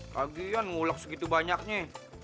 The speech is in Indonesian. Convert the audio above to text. kagian ulek segitu banyaknya